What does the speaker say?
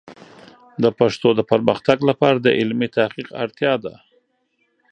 د پښتو د پرمختګ لپاره د علمي تحقیق اړتیا ده.